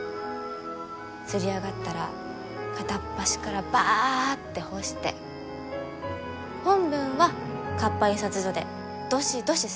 刷り上がったら片っ端からバッて干して本文は活版印刷所でどしどし刷って。